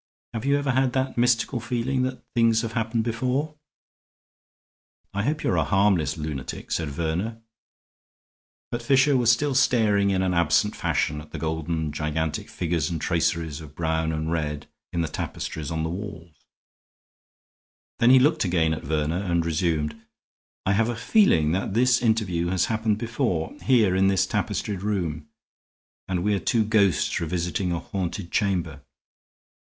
Have you ever had that mystical feeling that things have happened before?" "I hope you are a harmless lunatic," said Verner. But Fisher was still staring in an absent fashion at the golden gigantic figures and traceries of brown and red in the tapestries on the walls; then he looked again at Verner and resumed: "I have a feeling that this interview has happened before, here in this tapestried room, and we are two ghosts revisiting a haunted chamber.